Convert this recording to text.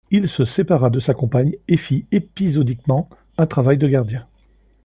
Il se sépara de sa compagne et fit épisodiquement un travail de gardien.